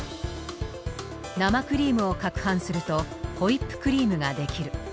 生クリームをかくはんするとホイップクリームが出来る。